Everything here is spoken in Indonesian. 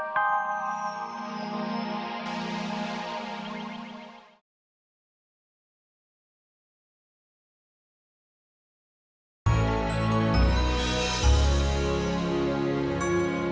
terima kasih banyak mbak yesha